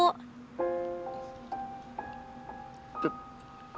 aku dah kok mulai biasa nih